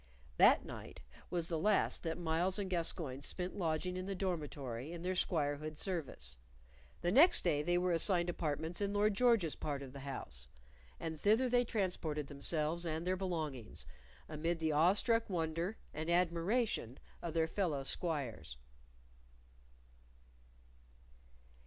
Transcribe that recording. That night was the last that Myles and Gascoyne spent lodging in the dormitory in their squirehood service. The next day they were assigned apartments in Lord George's part of the house, and thither they transported themselves and their belongings, amid the awestruck wonder and admiration of their fellow squires.